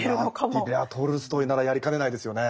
いやトルストイならやりかねないですよね。